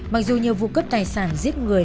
mặc dù nhiều vụ cấp tài sản giết người